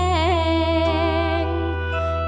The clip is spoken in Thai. เหยียบหย่องเหยื่องห่าง